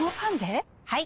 はい！